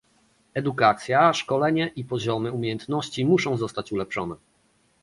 Edukacja, szkolenie i poziomy umiejętności muszą zostać ulepszone